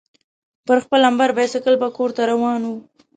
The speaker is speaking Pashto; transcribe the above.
پر خپل امبر بایسکل به کورته روان وو.